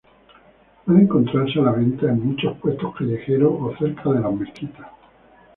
Puede encontrarse a la venta en muchos puestos callejeros o cerca de las mezquitas.